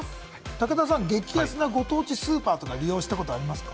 武田さん、激安なご当地スーパー、利用したことありますか？